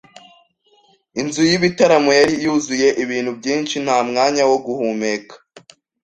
Inzu y'ibitaramo yari yuzuye ibintu byinshi nta mwanya wo guhumeka.